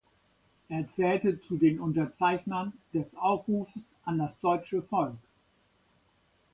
Er zählte zu den Unterzeichnern des „Aufrufs an das deutsche Volk“.